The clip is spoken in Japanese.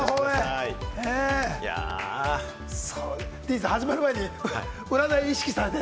ＤＥＡＮさん、始まる前に占い意識されて。